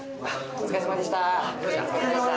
お疲れさまです。